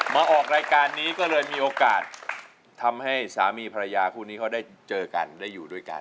มาออกรายการนี้ก็เลยมีโอกาสทำให้สามีภรรยาคู่นี้เขาได้เจอกันได้อยู่ด้วยกัน